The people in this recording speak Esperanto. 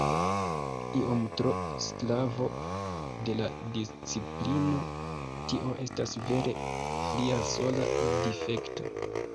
Iom tro sklavo de la disciplino; tio estas vere lia sola difekto.